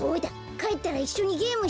かえったらいっしょにゲームしようよ。